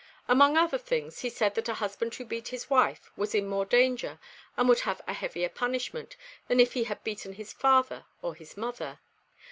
Among other things, he said that a husband who beat his wife was in more danger, and would have a heavier punishment, than if he had beaten his father or his mother.